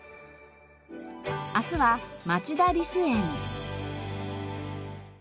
明日は町田リス園。